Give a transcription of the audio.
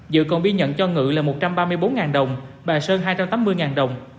dự còn biên nhận cho ngự là một trăm ba mươi bốn đồng bà sơn hai trăm tám mươi đồng